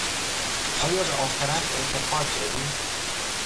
آیا به آخرت اعتقاد داری؟